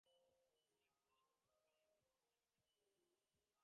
বিড়ালটি হারিয়ে ফেলছে তাই তাকে খুঁজছে।